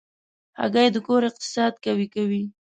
هګۍ د کور اقتصاد قوي کوي.